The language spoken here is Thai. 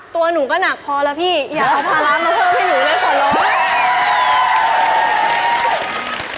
ตัวหนูก็หนักพอแล้วพี่อย่าเอาภาระมาเพิ่มให้หนูนะขอร้อง